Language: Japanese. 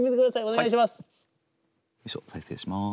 お願いします。